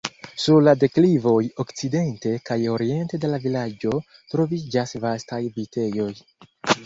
Sur la deklivoj okcidente kaj oriente de la vilaĝo troviĝas vastaj vitejoj.